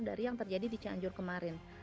dari yang terjadi di cianjur kemarin